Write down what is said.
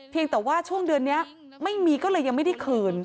แต่ว่าช่วงเดือนนี้ไม่มีก็เลยยังไม่ได้คืน